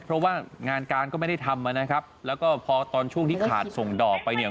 เพราะว่างานการก็ไม่ได้ทำนะครับแล้วก็พอตอนช่วงที่ขาดส่งดอกไปเนี่ย